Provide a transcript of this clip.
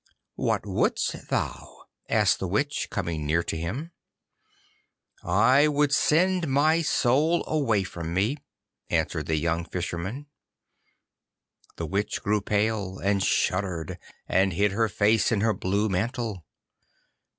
'What wouldst thou?' asked the Witch, coming near to him. 'I would send my soul away from me,' answered the young Fisherman. The Witch grew pale, and shuddered, and hid her face in her blue mantle.